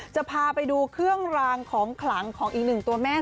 จะพาไปดูเครื่องรางของขลังของอีกหนึ่งตัวแม่